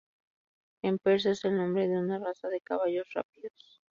En persa es el nombre de una raza de caballos rápidos.